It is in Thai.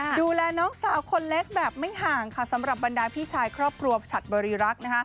ดูแลน้องสาวคนเล็กแบบไม่ห่างค่ะสำหรับบรรดาพี่ชายครอบครัวฉัดบริรักษ์นะคะ